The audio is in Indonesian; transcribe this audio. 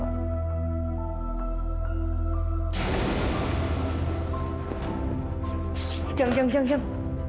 ujang ujang ujang